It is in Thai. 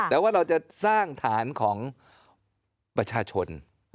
แต่ว่าเราจะสร้างฐานของประชาชน